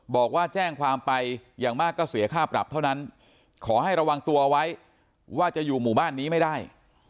บอกว่าแจ้งความไปอย่างมากก็เสียค่าปรับเท่านั้นขอให้ระวังตัวเอาไว้ว่าจะอยู่หมู่บ้านนี้ไม่ได้